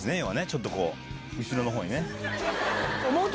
ちょっと後ろの方にね。